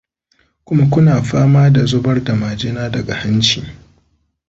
kuma kuna fama da zubar da majina daga hanci?